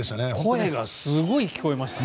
声がすごい聞こえましたね。